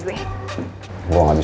gue nggak bisa berniak itu